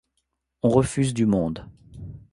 On refuse du monde.